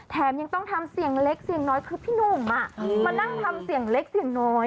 แถมยังต้องทำเสียงเล็กเสียงน้อยคือพี่หนุ่มมานั่งทำเสียงเล็กเสียงน้อย